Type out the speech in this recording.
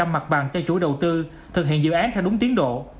mặt bằng cho chủ đầu tư thực hiện dự án theo đúng tiến độ